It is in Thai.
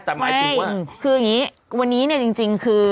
แต่ไม่คืออย่างนี้วันนี้เนี่ยจริงคือ